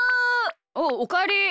おうおかえり。